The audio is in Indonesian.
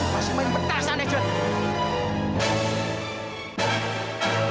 masih main petasannya juga